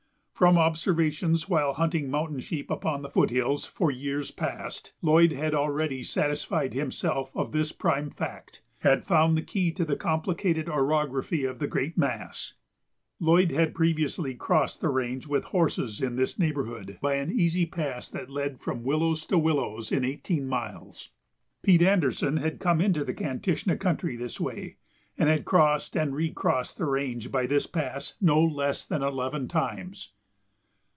From observations while hunting mountain sheep upon the foot hills for years past, Lloyd had already satisfied himself of this prime fact; had found the key to the complicated orography of the great mass. Lloyd had previously crossed the range with horses in this neighborhood by an easy pass that led "from willows to willows" in eighteen miles. Pete Anderson had come into the Kantishna country this way and had crossed and recrossed the range by this pass no less than eleven times.